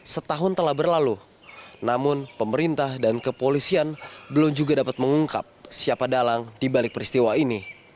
setahun telah berlalu namun pemerintah dan kepolisian belum juga dapat mengungkap siapa dalang dibalik peristiwa ini